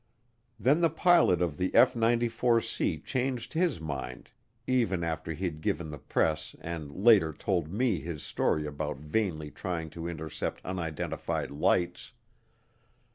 Then the pilot of the F 94C changed his mind even after he'd given the press and later told me his story about vainly trying to intercept unidentified lights.